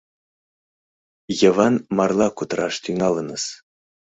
— Йыван марла кутыраш тӱҥалыныс.